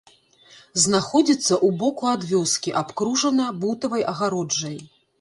Знаходзіцца ў боку ад вёскі, абкружана бутавай агароджай.